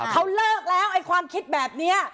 เขาเลิกแล้วไอ้ความคิดแบบนี้